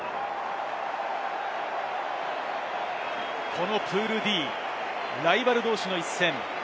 このプールＤ、ライバル同士の一戦。